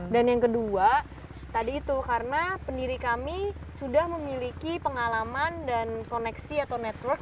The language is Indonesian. yang kedua tadi itu karena pendiri kami sudah memiliki pengalaman dan koneksi atau network